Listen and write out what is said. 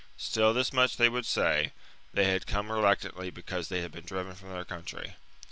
Still, this much they would say, — they had come reluctantly, because they had been driven from their country.